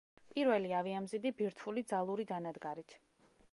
პირველი ავიამზიდი ბირთვული ძალური დანადგარით.